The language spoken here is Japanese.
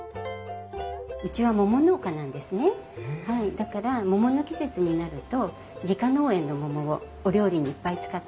だから桃の季節になると自家農園の桃をお料理にいっぱい使っています。